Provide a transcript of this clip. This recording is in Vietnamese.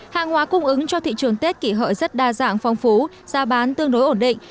hàng hóa cung ứng cho thị trường tết kỷ hợi rất đa dạng phong phú giá bán tương đối ổn định